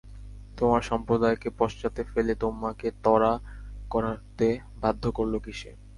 তোমার সম্প্রদায়কে পশ্চাতে ফেলে তোমাকে ত্বরা করতে বাধ্য করল কিসে?